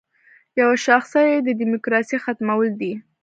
یوه شاخصه یې د دیموکراسۍ ختمول دي.